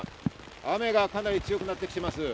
雨がかなり強くなってきています。